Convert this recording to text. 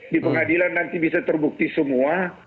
di pengadilan nanti bisa terbukti semua